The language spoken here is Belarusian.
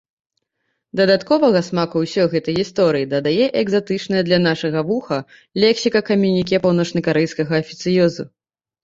Дадатковага смаку ўсёй гэтай гісторыі дадае экзатычная для нашага вуха лексіка камюніке паўночнакарэйскага афіцыёзу.